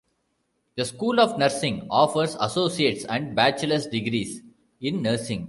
The School of Nursing offers associates and bachelor's degrees in nursing.